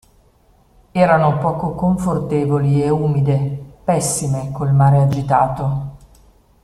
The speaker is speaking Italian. Erano poco confortevoli e umide, pessime col mare agitato.